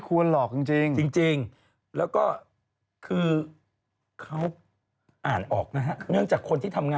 รับฟังได้เลยนะ